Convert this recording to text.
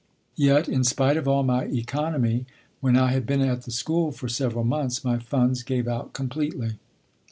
Yet, in spite of all my economy, when I had been at the school for several months, my funds gave out completely.